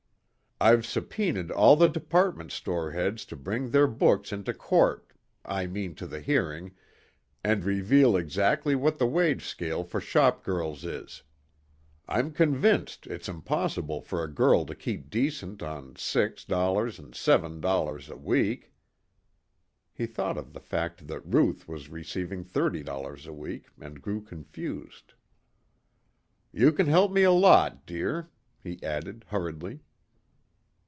"I've subpoenaed all the department store heads to bring their books into court, I mean to the hearing, and reveal exactly what the wage scale for shop girls is. I'm convinced it's impossible for a girl to keep decent on $6 and $7 a week." He thought of the fact that Ruth was receiving $30 a week and grew confused. "You can help me a lot, dear," he added hurriedly.